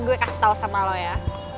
gue kasih tau sama lo ya